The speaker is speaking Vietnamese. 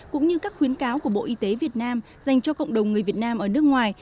cũng như các khuyến cáo của bộ y tế việt nam dành cho cộng đồng người việt nam ở nước ngoài